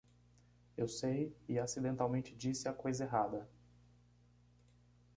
Eu sei e acidentalmente disse a coisa errada.